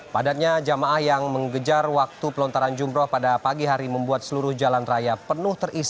padatnya jamaah yang mengejar waktu pelontaran jumroh pada pagi hari membuat seluruh jalan raya penuh terisi